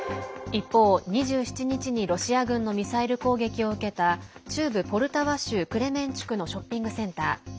一方、２７日にロシア軍のミサイル攻撃を受けた中部ポルタワ州クレメンチュクのショッピングセンター。